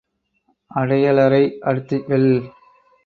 அடையலரை அடுத்து வெல்.